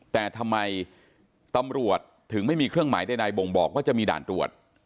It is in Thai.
แต่ทำไมตำรวจถึงไม่มีเครื่องหมายใดบ่งบอกว่าจะมีด่านตรวจ